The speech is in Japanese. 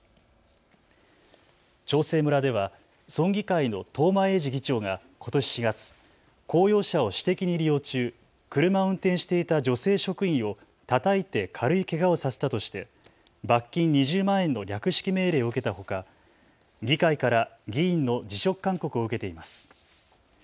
長生村では村議会の東間永次議長がことし４月、公用車を私的に利用中、車を運転していた女性職員をたたいて軽いけがをさせたとして罰金２０万円の略式命令を受けたほか、議会から議員の辞職勧告を受けています。